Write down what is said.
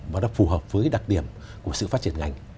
và nó phù hợp với đặc điểm của sự phát triển ngành